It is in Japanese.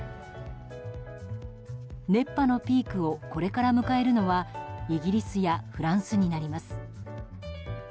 熱波のピークをこれから迎えるのはイギリスやフランスになります。